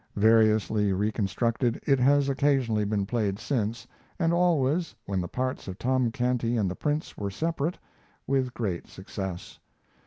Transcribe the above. Variously reconstructed, it has occasionally been played since, and always, when the parts of Tom Canty and the Prince were separate, with great success.